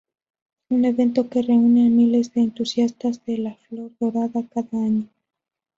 Un evento que reúne a miles de entusiastas de la "Flor Dorada" cada año.